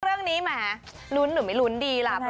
เรื่องนี้แหมลุ้นหรือไม่ลุ้นดีละ